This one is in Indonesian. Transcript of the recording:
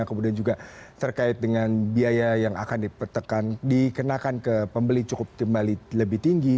kemudian juga terkait dengan biaya yang akan dikenakan ke pembeli cukup kembali lebih tinggi